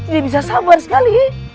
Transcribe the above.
dia bisa sabar sekali